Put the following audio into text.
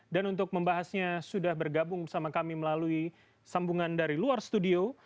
dan untuk membahasnya sudah bergabung sama kami melalui sambungan dari luar studio